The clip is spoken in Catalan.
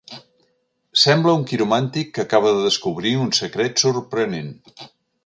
Sembla un quiromàntic que acaba de descobrir un secret sorprenent.